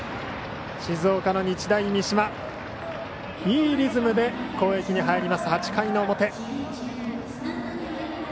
静岡の日大三島いいリズムで攻撃に入ります８回の表。